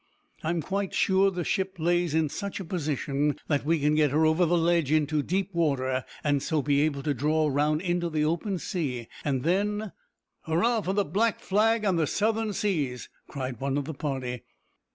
I'm quite sure the ship lays in such a position that we can get her over the ledge into deep water, and so be able to draw round into the open sea, and then " "Hurrah for the black flag and the southern seas," cried one of the party.